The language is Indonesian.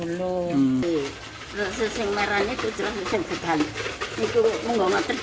ini untuk susung mati